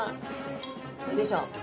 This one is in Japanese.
どうでしょう？